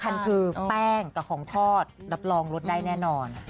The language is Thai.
อันคือแป้งกับของทอดรับรองรสได้แน่นอน